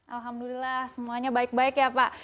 alhamdulillah semuanya baik baik ya pak